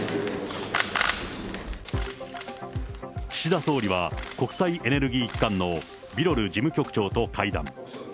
岸田総理は国際エネルギー機関のビロル事務局長と会談。